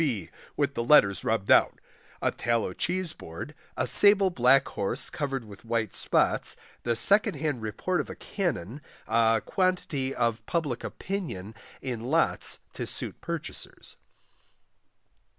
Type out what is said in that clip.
B. with the letters rubbed out, a Tallow Cheese board, a Sable Black Horse covered with White Spots, the second hand Report of a Cannon, a quantity of Public Opinion, in lots to suit purchasers.